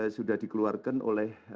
sudah dikeluarkan oleh